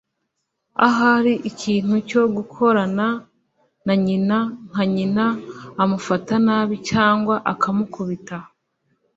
Ahari ikintu cyo gukorana na nyina - nka nyina amufata nabi cyangwa akamukubita?